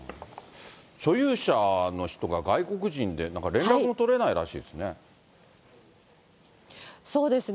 所有者の人が外国人で、なんか連絡も取れないらしいですね。